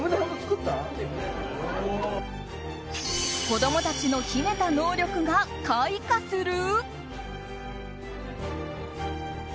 子供たちの秘めた能力が開花する？